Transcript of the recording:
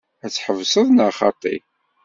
Ad tḥebseḍ neɣ xaṭi?